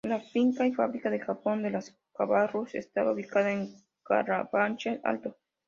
La finca y fábrica de jabón de los Cabarrús estaba ubicada en Carabanchel Alto.